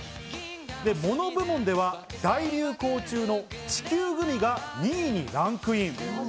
モノ部門では大流行中の地球グミが２位にランクイン。